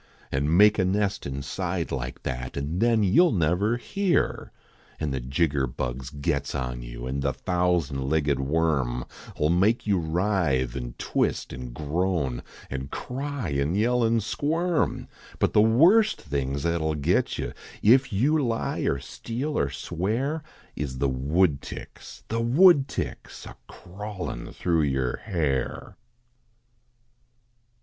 An make a nest inside like that. An then you ll never hear ; An the jigger bugs gets on you, An the thousand legged worm 111 make you writhe, an twist, an groan, An cry, an yell, an squirm ; But the worst things at 11 git you If you lie, or steal, or swear, Is the woodticks the woodticks A crawlin thro yer hair.